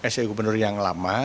se gubernur yang lama